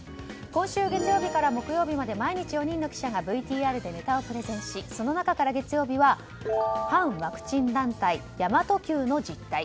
今週月曜日から木曜日まで毎日４人の記者がＶＴＲでネタをプレゼンしその中から月曜日は反ワクチン団体、神真都Ｑの実態。